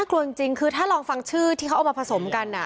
กลัวจริงคือถ้าลองฟังชื่อที่เขาเอามาผสมกัน